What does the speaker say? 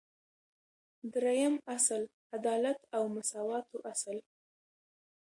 دریم اصل : عدالت او مساواتو اصل